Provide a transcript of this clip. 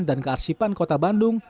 dan kearsipan kota bandung